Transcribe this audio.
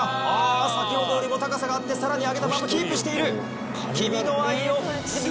ああ先ほどよりも高さがあってさらに上げたままキープしている。